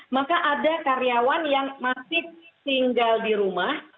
maka ada karyawan yang masih tinggal di rumah